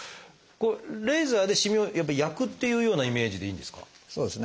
レーザーでしみをやっぱ焼くっていうようなイメージでいいんですか？